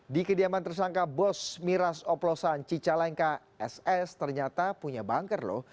di kediaman tersangka bos miras oplosan cicalengka ss ternyata punya banker loh